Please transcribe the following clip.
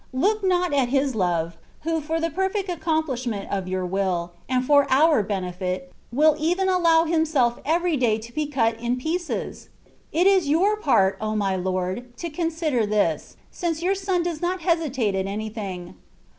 Look not at His love, who for the perfect accomplishment of your will, and for our benefit, will even allow Himself every day to be cut in pieces. It is your part, O my Lord ! to consider this, since your Son does not hesitate at anything.